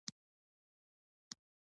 پوهه نجونو ته د پریکړې کولو واک ورکوي.